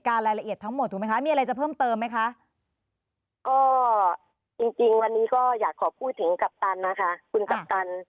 ก็ในวันนี้ก็อยากขอพูดถึงครับครับ